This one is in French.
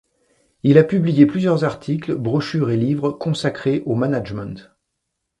Il a publié plusieurs articles, brochures et livres consacrés au management.